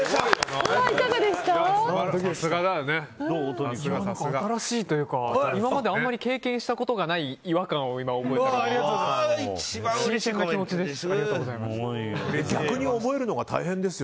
何か新しいというか今まであまり経験したことのない違和感を今、覚えてます。